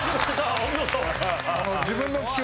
お見事。